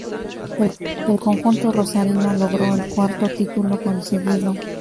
El conjunto rosarino logró el cuarto título conseguido.